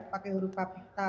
pakai huruf kapital